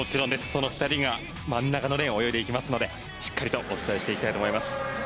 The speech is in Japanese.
その２人が真ん中のレーンを泳いでいきますのでしっかりとお伝えしていきたいと思います。